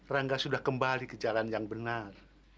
rangga sudah kembali ke jalan yang benar